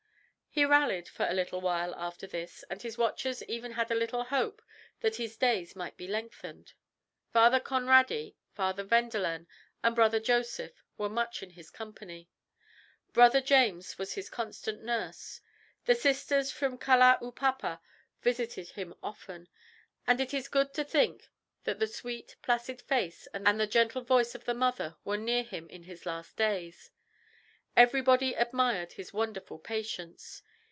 He rallied for a little while after this, and his watchers even had a little hope that his days might be lengthened. Father Conradi, Father Wendolen, and Brother Joseph were much in his company. Brother James was his constant nurse. The Sisters from Kalaupapa visited him often, and it is good to think that the sweet placid face and gentle voice of the Mother were near him in his last days. Everybody admired his wonderful patience.